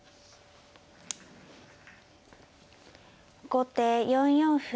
後手４四歩。